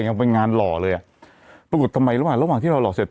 ยังเป็นงานหล่อเลยอ่ะปรากฏทำไมระหว่างระหว่างที่เราหล่อเสร็จ